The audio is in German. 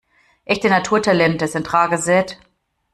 Echte Naturtalente sind rar gesät.